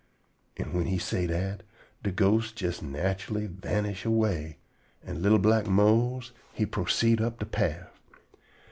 An' whin he say dat, de ghosts jes natchully vanish away, an' li'l black Mose he proceed up de paff.